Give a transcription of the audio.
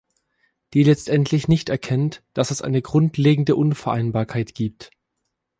Die letztendlich nicht erkennt, dass es eine grundlegende Unvereinbarkeit gibt.